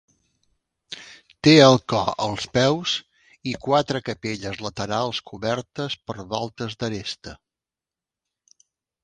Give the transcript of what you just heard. Té el cor als peus i quatre capelles laterals cobertes per voltes d'aresta.